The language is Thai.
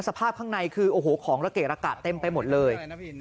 สภาพข้างในคือของระเกะระกะเต็มไปหมดเลย